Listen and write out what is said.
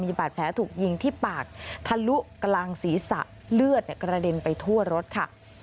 บาดแผลถูกยิงที่ปากทะลุกลางศีรษะเลือดกระเด็นไปทั่วรถค่ะ